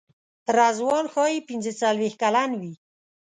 رضوان ښایي پنځه څلوېښت کلن وي.